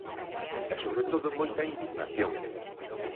E sobre todo moita indignación.